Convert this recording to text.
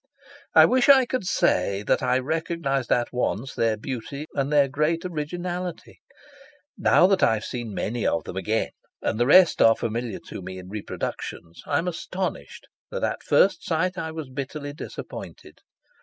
I wish I could say that I recognised at once their beauty and their great originality. Now that I have seen many of them again and the rest are familiar to me in reproductions, I am astonished that at first sight I was bitterly disappointed.